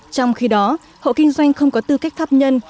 trong khi đó hộ kinh doanh không có tư cách thắp nhân